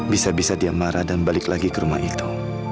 bisa bisa dia marah dan balik lagi ke rumah itu